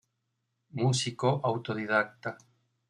Músico autodidacta.